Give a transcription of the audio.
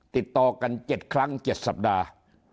ติดต่อกัน๗ครั้ง๗สัปดาห์